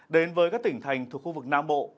đến với các tỉnh thành thuộc khu vực nam bộ